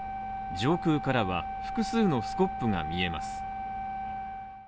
上空からは複数のスコップが見えます。